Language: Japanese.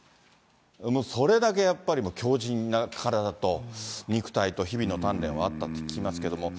もうそれだけやっぱり強じんな体と、肉体と日々の鍛錬はあったと聞きますけども。